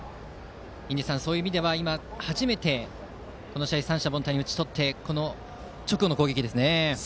印出さん、今初めてこの試合三者凡退に打ち取った直後の攻撃ですね。